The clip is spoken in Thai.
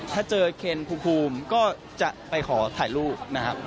ถ้าเจอเคนภูมิก็จะไปขอถ่ายรูปนะครับ